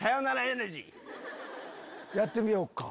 やってみよっか。